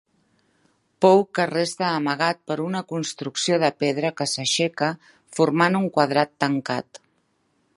Pou que resta amagat per una construcció de pedra que s'aixeca formant un quadrat tancat.